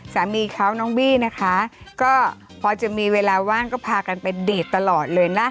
สามีเขาน้องบี้นะคะก็พอจะมีเวลาว่างก็พากันไปดีดตลอดเลยนะ